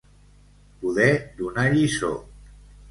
Poder donar lliçó.